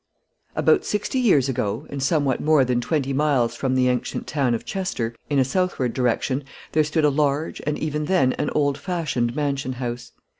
About sixty years ago, and somewhat more than twenty miles from the ancient town of Chester, in a southward direction, there stood a large, and, even then, an old fashioned mansion house.